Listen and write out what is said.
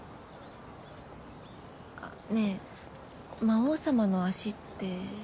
あっねえ魔王様の足って。